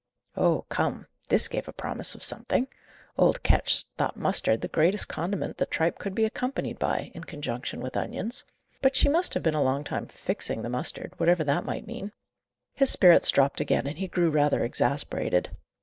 Oh come! this gave a promise of something. Old Ketch thought mustard the greatest condiment that tripe could be accompanied by, in conjunction with onions. But she must have been a long time "fixing" the mustard; whatever that might mean. His spirits dropped again, and he grew rather exasperated.